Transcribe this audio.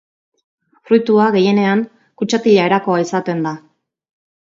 Fruitua gehienean kutxatila erakoa izaten da.